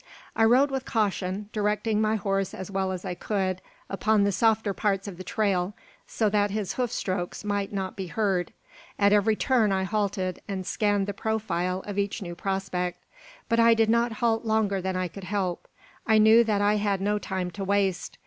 I rode with caution, directing my horse as well as I could upon the softer parts of the trail, so that his hoof strokes might not be heard. At every turn I halted, and scanned the profile of each new prospect; but I did not halt longer than I could help. I knew that I had no time to waste.